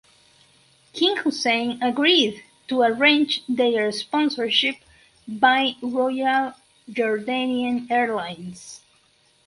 King Hussein agreed to arrange their sponsorship by Royal Jordanian Airlines.